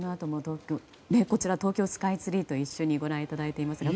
こちら、東京スカイツリーと一緒にご覧いただいていますが。